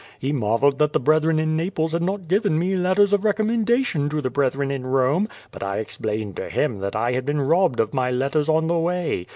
He marvelled that the brethren in Naples had not given me letters of recommendation to the brethren in Eome, but I explained to him that 1 had been robbed of my letters on the way.